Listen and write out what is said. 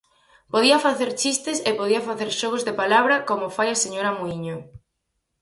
Podía facer chistes e podía facer xogos de palabra como fai a señora Muíño.